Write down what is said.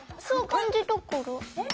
そう感じたから。